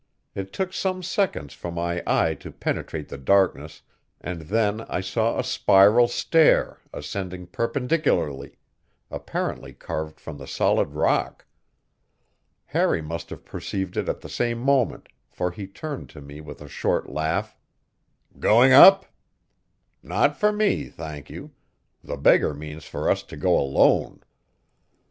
It took some seconds for my eye to penetrate the darkness, and then I saw a spiral stair ascending perpendicularly, apparently carved from the solid rock. Harry must have perceived it at the same moment, for he turned to me with a short laugh: "Going up? Not for me, thank you. The beggar means for us to go alone."